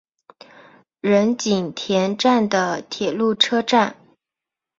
仁井田站的铁路车站。